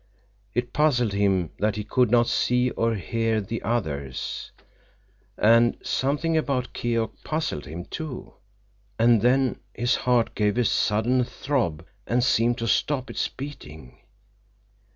It puzzled him that he could not see or hear the others. And something about Keok puzzled him, too. And then his heart gave a sudden throb and seemed to stop its beating.